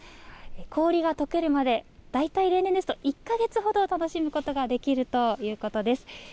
氷がとけるまで、大体例年ですと、１か月ほど楽しむことができるということです。